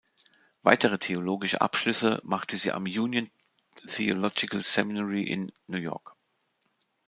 Weitere theologische Abschlüsse machte sie am Union Theological Seminary in New York.